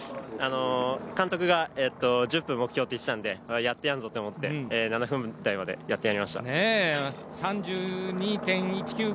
監督が１０分目標と言ってたので、やってやるぞと思って７分台までやってやりました。３２．１９５